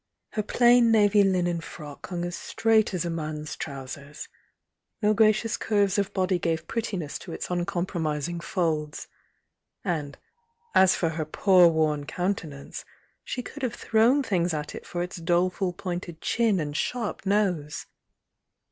Her plain navy linen frock hung as straight as a man's trousers; no gracious curves of body gave prettiness to its uncompromising folds, — and as for her poor worn countenance, she could have thrown thirds at it for its doleful po nted chin and sharp nose!